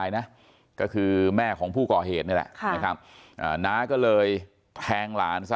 นะก็คือแม่ของผู้ก่อเหตุแลกค่ะนะครับน้าก็เลยแพง